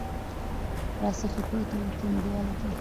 راڅخه پاته وطن د یار دی